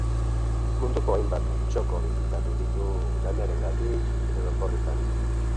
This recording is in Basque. Munduko hainbat txoko bisitatu ditu lanarengatik edo oporretan.